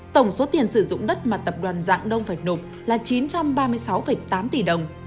tổng số tiền sử dụng đất mà tập đoàn dạng đông phải nộp là chín trăm ba mươi sáu tám tỷ đồng